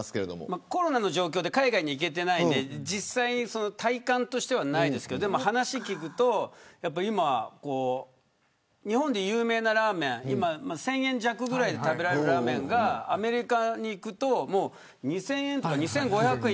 まだ、コロナの状況で海外に行けていないので体感としてはないですが話を聞くと日本で有名なラーメン１０００円弱ぐらいで食べられるものがアメリカに行くと２０００円とか２５００円。